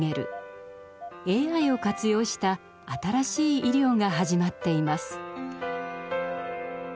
ＡＩを活用した新しい医療が始まっています。